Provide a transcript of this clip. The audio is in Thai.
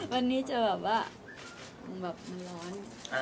วันนี้จะแบบว่าแบบมันร้อน